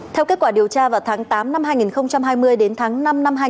theo kết quả điều tra vào tháng tám năm hai nghìn hai mươi đến tháng năm năm hai nghìn